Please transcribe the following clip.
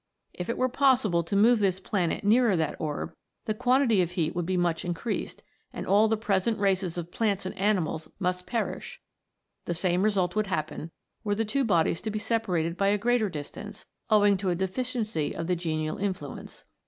If it were possible to move this planet nearer that orb, the quantity of heat would be much increased, and all the present races of plants and animals must perish ; the same result would happen were the two bodies to be separated by a greater distance, owing to a deficiency of the genial influence.